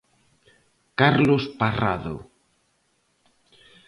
Carlos Parrado.